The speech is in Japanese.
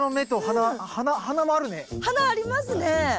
鼻ありますね。